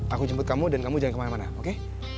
aku jemput kamu dan kamu jangan kemana mana oke